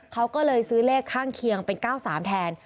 เขาก็เลยซื้อเลขข้างเคียงเป็น๙๓แทน